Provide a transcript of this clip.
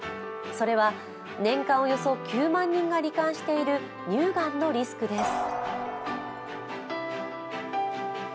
それは年間およそ９万人がり患している乳がんのリスクです。